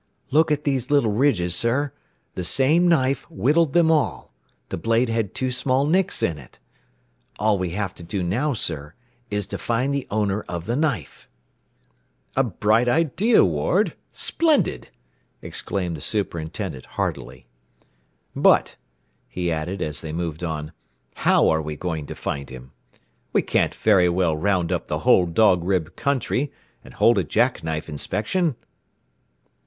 "Look at these little ridges, sir! The same knife whittled them all. The blade had two small nicks in it. "All we have to do now, sir, is to find the owner of the knife!" "A bright idea, Ward! Splendid!" exclaimed the superintendent heartily. "But," he added as they moved on, "how are we going to find him? We can't very well round up the whole Dog Rib country, and hold a jack knife inspection."